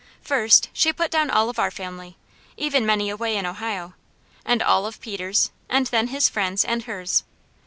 First she put down all of our family, even many away in Ohio, and all of Peter's, and then his friends, and hers.